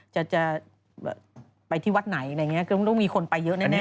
จะจะไปที่วัดไหนอะไรอย่างเงี้ยก็ต้องมีคนไปเยอะแน่เลยนะฮะ